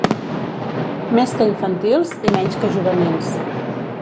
Més que infantils i menys que juvenils.